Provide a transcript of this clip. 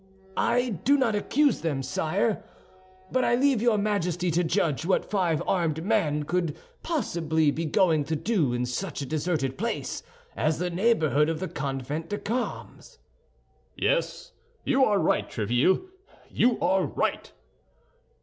"I do not accuse them, sire; but I leave your Majesty to judge what five armed men could possibly be going to do in such a deserted place as the neighborhood of the Convent des Carmes." "Yes, you are right, Tréville, you are right!"